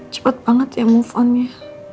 cepet banget ya move on ya